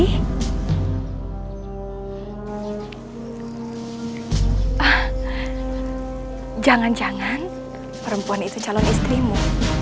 hah jangan jangan perempuan itu calon istrimu